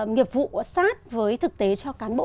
nghiệp vụ sát với thực tế cho cán bộ